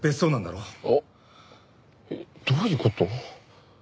あっえっどういう事？